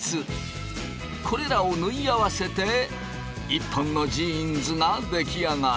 これらを縫い合わせて１本のジーンズが出来上がる。